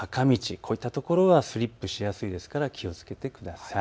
こういったところはスリップしやすいですから気をつけてください。